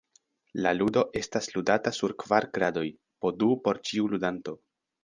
La ludo estas ludata sur kvar kradoj, po du por ĉiu ludanto.